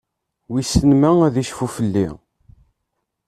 Wissen ma ad icfu fell-i?